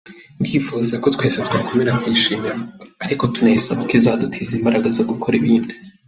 Ndifuza ko twese twakomeza kuyishimira ariko tunayisaba ko izadutiza imbaraga zo gukora ibindi.